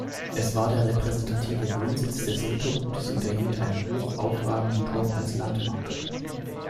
Es war der repräsentative Wohnsitz des Rittergutes und erhielt einen hochaufragenden Turm als Landmarke.